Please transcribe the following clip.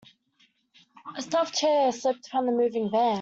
A stuffed chair slipped from the moving van.